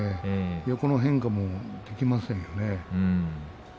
横の変化もできませんよね。